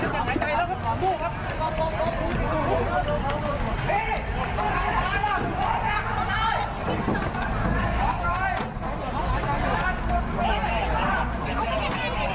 ก็เห็นแม้ไม่ได้